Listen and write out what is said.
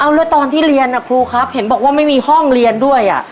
แล้วตอนที่เรียนครูครับเห็นบอกว่าไม่มีห้องเรียนด้วย